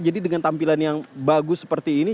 jadi dengan tampilan yang bagus seperti ini